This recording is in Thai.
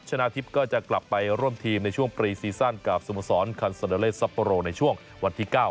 ชนะทิพย์ก็จะกลับไปร่วมทีมในช่วงปรีซีซันกับสมสรรค์คันศนเลสสปรโลในช่วงวันที่เก้า